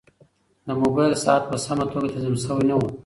د موبایل ساعت په سمه توګه تنظیم شوی نه و.